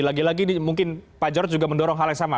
lagi lagi mungkin pak jarod juga mendorong hal yang sama